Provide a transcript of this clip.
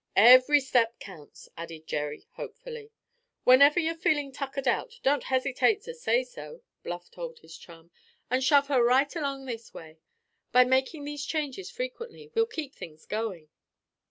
"Every step counts," added Jerry hopefully. "Whenever you're feeling tuckered out, don't hesitate to say so," Bluff told his chum, "and shove her right along this way. By making these changes frequently we'll keep things going."